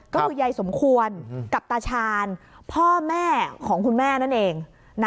ก็คือยายสมควรกับตาชาญพ่อแม่ของคุณแม่นั่นเอง